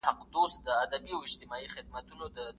بل چا ته تمه کول بې ګټې کار دی.